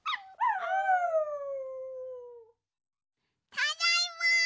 ただいま！